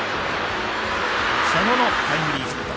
茶野のタイムリーヒット。